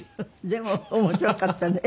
でも面白かったね